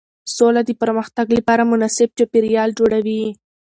سوله د پرمختګ لپاره مناسب چاپېریال جوړوي